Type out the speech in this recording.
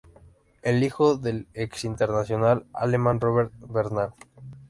Es hijo del ex internacional alemán Robert Bernard.